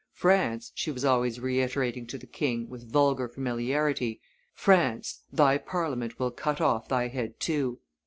"France," she was always reiterating to the king with vulgar familiarity, "France, thy Parliament will cut off thy head too!"